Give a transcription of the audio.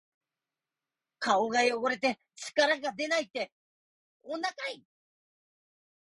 顔が汚れて力がでないって、女かい！